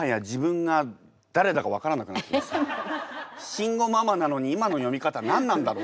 もはや慎吾ママなのに今の読み方何なんだろう。